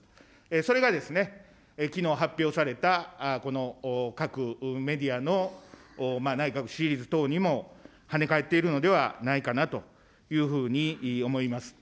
それがですね、きのう発表された、この各メディアの内閣支持率等にもはね返っているのではないかなというふうに思います。